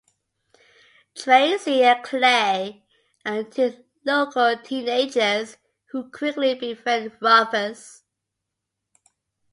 Tracy and Clay are two local teenagers who quickly befriend Rufus.